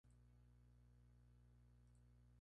Esto ocurre independientemente del usuario del traje.